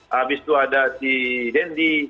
habis itu ada si dendi